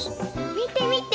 みてみて！